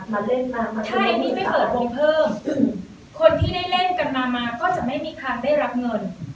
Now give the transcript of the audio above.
มาเล่นมาใช่นี่ไปเปิดวงเพิ่มคนที่ได้เล่นกันมามาก็จะไม่มีใครได้รับเงิน